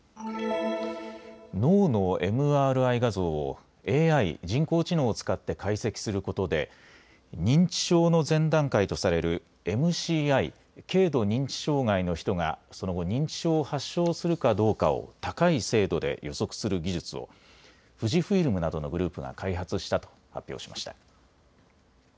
脳のＭＲＩ画像をＡＩ・人工知能を使って解析することで認知症の前段階とされるＭＣＩ・軽度認知障害の人がその後、認知症を発症するかどうかを高い精度で予測する技術を富士フイルムなどのグループが開発したと発表しました。